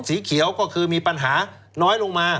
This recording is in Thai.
สีเขียวก็คือมีปัญหาน้อยลงมา